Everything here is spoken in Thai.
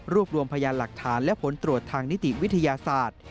รวมรวมพยานหลักฐานและผลตรวจทางนิติวิทยาศาสตร์